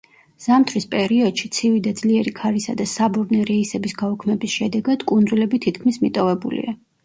ზამთრის პერიოდში, ცივი და ძლიერი ქარისა და საბორნე რეისების გაუქმების შედეგად, კუნძულები თითქმის მიტოვებულია.